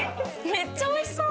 めっちゃおいしそう。